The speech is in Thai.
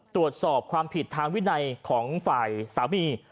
ตรวจสอบความผิดทางวินัยของฝ่ายสามี